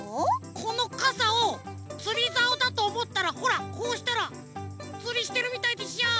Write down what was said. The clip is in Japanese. このかさをつりざおだとおもったらほらこうしたらつりしてるみたいでしょ？